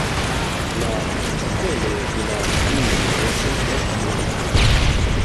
La ĉapelo de la fungo estas blanka.